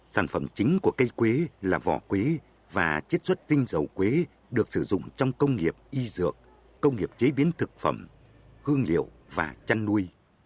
sản phẩm chính của cây quế là vỏ quý và chất xuất tinh dầu quế được sử dụng trong công nghiệp y dược công nghiệp chế biến thực phẩm hương liệu và chăn nuôi